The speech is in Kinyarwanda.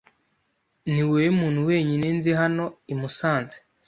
Niwowe muntu wenyine nzi hano i Musanze.